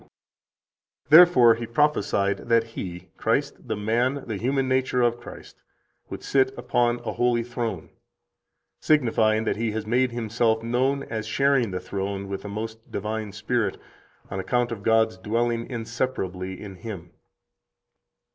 40): "Therefore he prophesied that He [Christ the man, the human nature of Christ] would sit upon a holy throne, signifying that He has made Himself known as sharing the throne with the most Divine Spirit, on account of God's dwelling inseparably in Him."